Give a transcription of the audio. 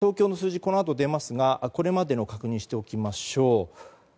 東京の数字、このあと出ますがこれまでの確認しておきましょう。